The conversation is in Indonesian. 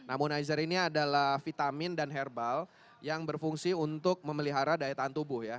ammonizer ini adalah vitamin dan herbal yang berfungsi untuk memelihara daya tahan tubuh ya